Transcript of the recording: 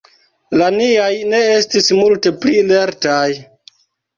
La niaj ne estis multe pli lertaj.